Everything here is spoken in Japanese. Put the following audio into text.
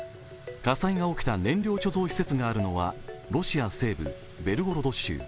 火災が起きた燃料貯蔵施設があるのはロシア西部ベルゴロド州。